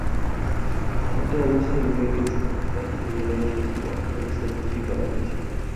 আহত অবস্থায় ওই দিন সন্ধ্যায় তাকে উপজেলা স্বাস্থ্য কমপ্লেক্সে ভর্তি করা হয়েছে।